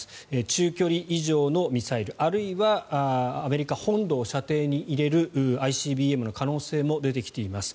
中距離以上のミサイルあるいはアメリカ本土を射程に入れるＩＣＢＭの可能性も出てきています。